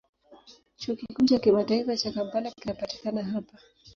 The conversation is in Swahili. Chuo Kikuu cha Kimataifa cha Kampala kinapatikana hapa.